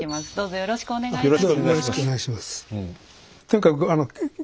よろしくお願いします。